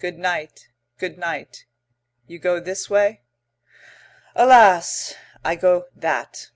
"Good night, good night. You go this way?" "Alas. I go that."